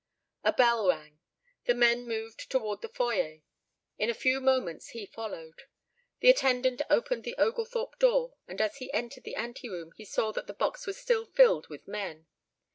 A bell rang. The men moved toward the foyer. In a few moments he followed. The attendant opened the Oglethorpe door and as he entered the ante room he saw that the box was still filled with men.